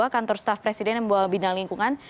kantor staff presiden yang membawa bidang lingkungan